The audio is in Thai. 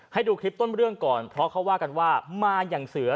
ให้ดูคลิปต้นเรื่องก่อนเพราะเขาว่ากันว่ามาอย่างเสือ